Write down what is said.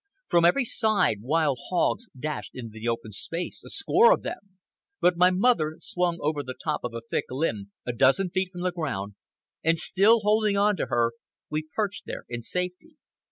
From every side wild hogs dashed into the open space—a score of them. But my mother swung over the top of a thick limb, a dozen feet from the ground, and, still holding on to her, we perched there in safety.